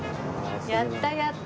やったやった。